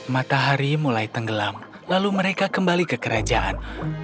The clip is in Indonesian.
matahari mulai tenggelam lalu mereka kembali ke kerajaan